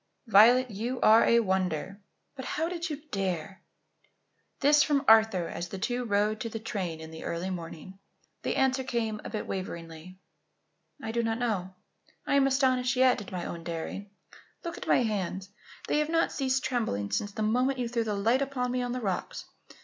"Violet, you are a wonder. But how did you dare?" This from Arthur as the two rode to the train in the early morning. The answer came a bit waveringly. "I do not know. I am astonished yet, at my own daring. Look at my hands. They have not ceased trembling since the moment you threw the light upon me on the rocks.